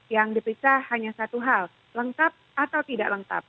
yang diperiksa hanya satu hal lengkap atau tidak lengkap